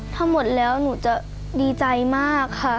ถ้าหมดแล้วหนูจะดีใจมากค่ะ